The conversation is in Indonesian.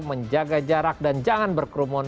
menjaga jarak dan jangan berkerumun